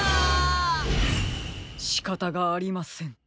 しかたがありません。